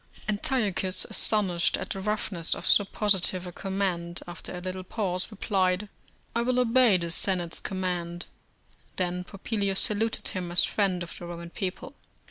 Antiochus, astonished at the roughness of so positive a command, after a little pause, replied, "I will obey the Senate's command." Then Popilius saluted him as friend of the Roman people.